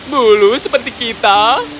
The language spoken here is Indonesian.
bulu seperti kita